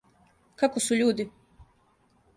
Како су људи?